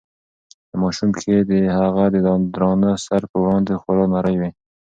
د ماشوم پښې د هغه د درانه سر په وړاندې خورا نرۍ وې.